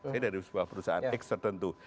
saya dari sebuah perusahaan x tertentu